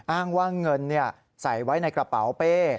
อ้างว่าเงินใส่ไว้ในกระเป๋าเป้